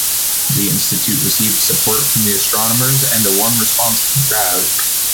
The institute received support from the astronomers and warm response from the crowd.